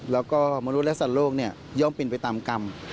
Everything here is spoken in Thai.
แล้วก็มนุษย์และสัตว์โลกย่อมเป็นไปตามกรรม